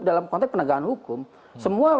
dalam konteks penegakan hukum semua